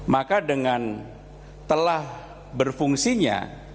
maka dengan telah berfungsinya